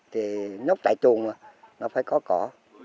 thì nóc tại trùn mà nó phải có cỏ